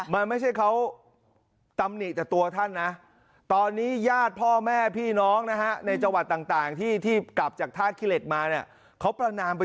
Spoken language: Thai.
มันไม่ใช่เขาตำหนิแต่ตัวท่านนะตอนนี้ญาติพ่อแม่พี่น้องนะฮะ